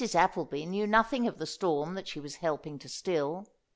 Appleby knew nothing of the storm that she was helping to still.